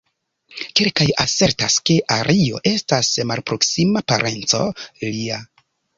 Kelkaj asertas, ke Ario estas malproksima parenco lia.